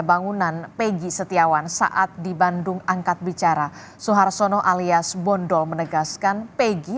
bangunan peggy setiawan saat di bandung angkat bicara suhartono alias bondol menegaskan peggy